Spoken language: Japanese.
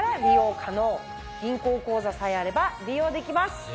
銀行口座さえあれば利用できます。